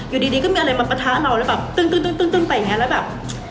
อยู่ดีก็มีอะไรมาปะทะเราแล้วแบบตึ้งไปอย่างนี้แล้วแบบ